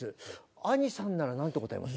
兄さんなら何て答えます？